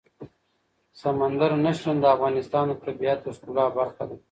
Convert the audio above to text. سمندر نه شتون د افغانستان د طبیعت د ښکلا برخه ده.